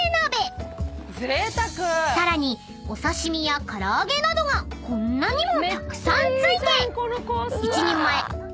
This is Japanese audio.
［さらにお刺し身や唐揚げなどがこんなにもたくさん付いて］